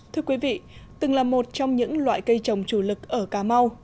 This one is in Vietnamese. thưa quý vị từng là một trong những loại cây trồng chủ lực ở cà mau